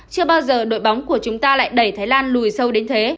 chưa bao giờ đội bóng của chúng ta lại đẩy thái lan lùi sâu đến thế